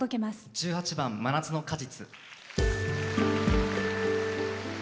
１８番「真夏の果実」。